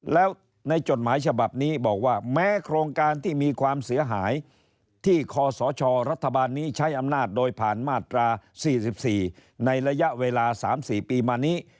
แล้วในจดหมายฉบับนี้บอกว่าแม้โครงการที่มีความเสียหายที่คอสชรัฐบาลนี้ใช้อำนาจโดยผ่านมาตรา๔๔ในระยะเวลา๓๔ปีมานี้